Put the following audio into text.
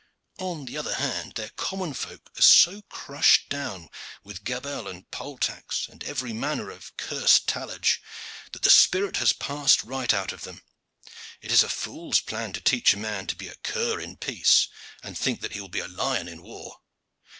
On the other hand, their common folk are so crushed down with gabelle, and poll tax, and every manner of cursed tallage, that the spirit has passed right out of them. It is a fool's plan to teach a man to be a cur in peace, and think that he will be a lion in war.